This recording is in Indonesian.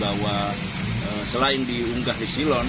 bahwa selain diunggah di silon